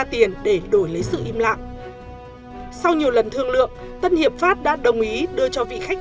tiền để đổi lấy sự im lặng sau nhiều lần thương lượng tân hiệp pháp đã đồng ý đưa cho vị khách